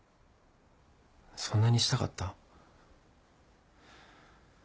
そんなにしたかった？